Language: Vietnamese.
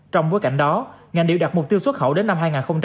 trong bối cảnh đó ngành điều đạt mục tiêu xuất khẩu đến năm hai nghìn hai mươi ba